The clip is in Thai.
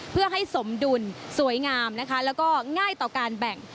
เพื่อให้สมดุลสวยงามนะคะแล้วก็ง่ายต่อการแบ่ง